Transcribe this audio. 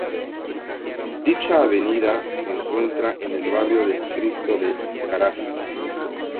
Dicha avenida se encuentra en el Barrio del Cristo de Carasa.